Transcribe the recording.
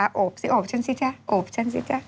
แต่กอบซิอบฉันซิเจ๊อบฉันซิเจ๊